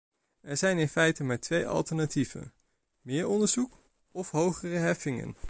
Er zijn in feite maar twee alternatieven: meer onderzoek of hogere heffingen.